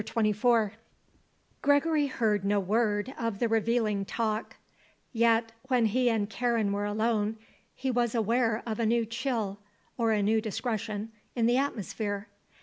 CHAPTER XXIV Gregory heard no word of the revealing talk; yet, when he and Karen were alone, he was aware of a new chill, or a new discretion, in the atmosphere.